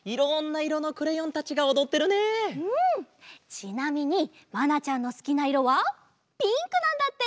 ちなみにまなちゃんのすきないろはピンクなんだって！